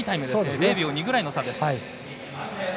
０秒２くらいの差です。